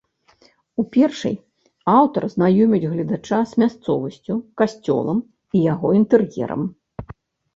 У першай аўтар знаёміць гледача з мясцовасцю, касцёлам і яго інтэр'ерам.